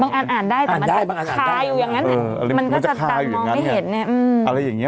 บางอันอ่านได้แต่มันจะค้าอยู่อย่างงั้นมันก็จะตามมองไม่เห็นเนี่ย